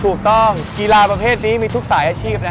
ถูกต้องประเภทนี้มีทุกศาลยาชีพ